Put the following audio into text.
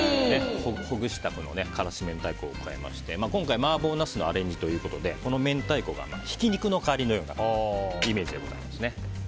ほぐした辛子明太子を加えまして今回麻婆ナスのアレンジということでこの明太子がひき肉の代わりになるイメージですね。